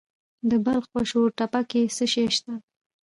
د بلخ په شورتپه کې څه شی شته؟